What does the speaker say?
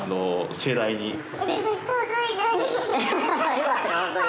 よかった本当に。